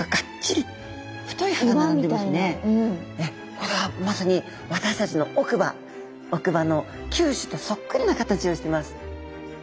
これはまさに私たちの奥歯奥歯の臼歯とそっくりな形をしてます。